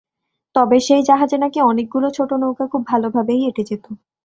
তবে সেই জাহাজে নাকি অনেকগুলো ছোট নৌকা খুব ভালোভাবেই এঁটে যেত।